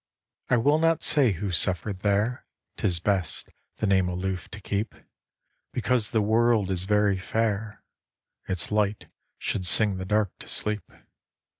I will not say who suffered there, 'Tis best the name aloof to keep, Because the world is very fair Its light should sing the dark to sleep.